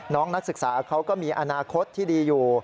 นักศึกษาเขาก็มีอนาคตที่ดีอยู่